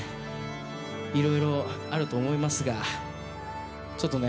いろいろあると思いますがちょっとね